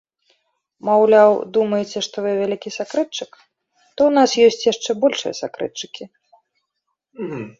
Маўляў, думаеце, што вы вялікі сакрэтчык, то ў нас ёсць яшчэ большыя сакрэтчыкі.